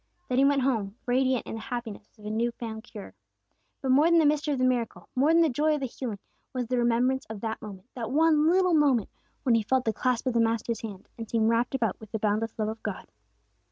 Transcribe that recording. Then he went home, radiant in the happiness of his new found cure. But more than the mystery of the miracle, more than the joy of the healing, was the remembrance of that moment, that one little moment, when he felt the clasp of the Master's hand, and seemed wrapped about with the boundless love of God.